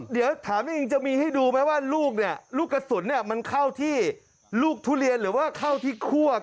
เดี๋ยวถามจริงจะมีให้ดูไหมว่าลูกเนี่ยลูกกระสุนมันเข้าที่ลูกทุเรียนหรือว่าเข้าที่คั่ว